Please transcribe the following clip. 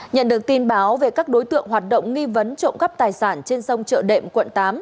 nhận được tin báo về các đối tượng hoạt động nghi vấn trộm cắp tài sản trên sông chợ đệm quận tám